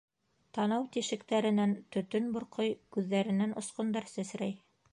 Танау тишектәренән төтөн борҡой, күҙҙәренән осҡондар сәсрәй.